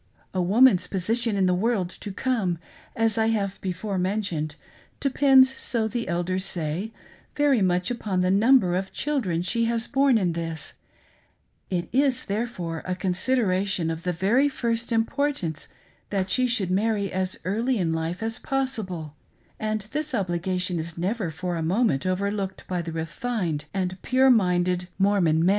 A woman's posi tion in the world to come, as I have before mentioned, depends, so the elders say, very much upon the number of children she has borne in this ; it is, therefore, a consideration of the very first importance that she should marry as early in life as possi ble, and this, obligation is never for a moment overlooked by the refined and pure minded Mormon men.